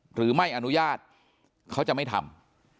หรือไม่อนุญาตเขาจะไม่ทำ